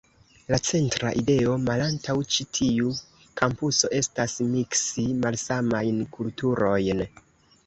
La centra ideo malantaŭ ĉi tiu kampuso estas miksi malsamajn kulturojn.